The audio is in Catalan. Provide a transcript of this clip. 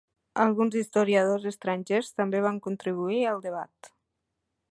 Alguns historiadors estrangers també van contribuir al debat.